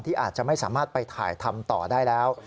อาจจะไม่สามารถไปถ่ายทำต่อได้แล้ว